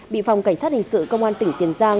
bị phòng cảnh sát hình sự công an tỉnh tiền giang